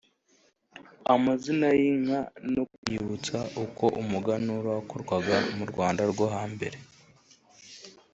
amazina y’inka no kwiyibutsa uko umuganura wakorwaga mu Rwanda rwo hambere